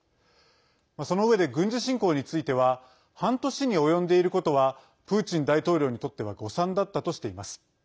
そのうえで軍事侵攻については半年に及んでいることはプーチン大統領にとっては誤算だったとしています。